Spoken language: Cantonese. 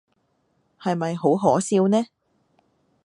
係咪好可笑呢？